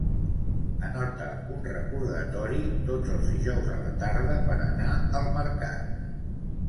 Anota un recordatori tots els dijous a la tarda per anar al mercat.